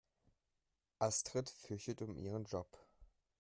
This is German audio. Astrid fürchtet um ihren Job.